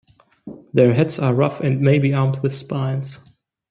Their heads are rough and may be armed with spines.